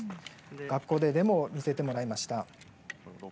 学校でデモを見せてもらいました。